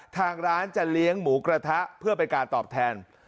ทางร้านจะเลี้ยงหมูกระทะเพื่อเป็นการตอบแทน